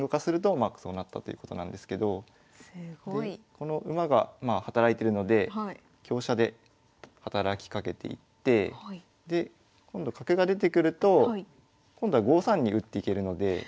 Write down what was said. この馬が働いてるので香車で働きかけていってで今度角が出てくると今度は５三に打っていけるので。